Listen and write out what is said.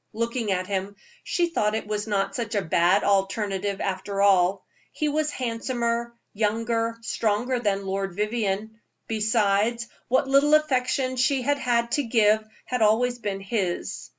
Looking at him, she thought it was not such a bad alternative, after all. He was handsomer, younger, stronger than Lord Vivianne; besides, what little affection she had had to give had always been his.